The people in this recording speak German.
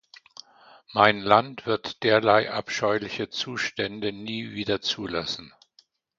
Mein Land wird derlei abscheuliche Zustände nie wieder zulassen.